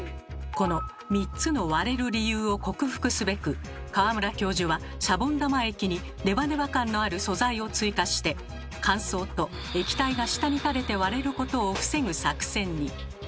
この３つの割れる理由を克服すべく川村教授はシャボン玉液にネバネバ感のある素材を追加して乾燥と液体が下にたれて割れることを防ぐ作戦に。